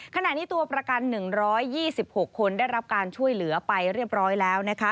ขณะนี้ตัวประกัน๑๒๖คนได้รับการช่วยเหลือไปเรียบร้อยแล้วนะคะ